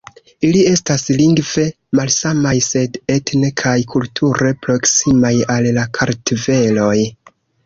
Ili estas lingve malsamaj sed etne kaj kulture proksimaj al la kartveloj.